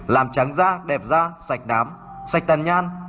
làm trắng da đẹp da sạch nám sạch tàn nhan